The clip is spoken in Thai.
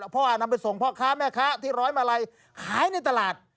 เพราะว่านำไปส่งพ่อค้าแม่ค้าที่ร้อยมาลัยขายในตลาด